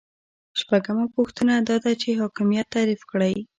شپږمه پوښتنه دا ده چې حاکمیت تعریف کړئ.